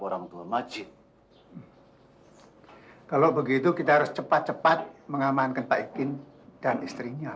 orang tua macit kalau begitu kita harus cepat cepat mengamankan baikin dan istrinya